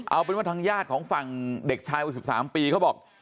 เอาเป็นว่าทางญาติของฝั่งเด็กชายวัย๑๓ปีเขาบอก